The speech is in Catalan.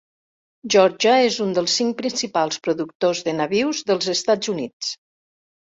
Geòrgia és un dels cinc principals productors de nabius dels Estats Units.